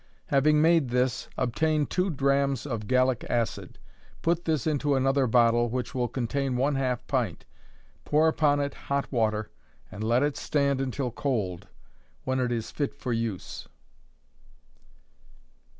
Having made this, obtain two drachms of gallic acid; put this into another bottle which will contain one half pint; pour upon it hot water, and let it stand until cold when it is fit for use.